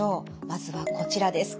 まずはこちらです。